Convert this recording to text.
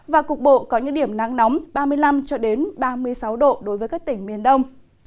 và cục bộ có những điểm nắng nóng ba mươi năm ba mươi sáu độ đối với các tỉnh miền đông